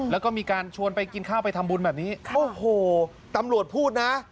แล้วก็มีการชวนไปกินข้าวไปทำบุญแบบนี้โอ้โหตำรวจพูดนะ